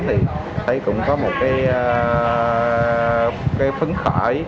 thì thấy cũng có một cái phấn khởi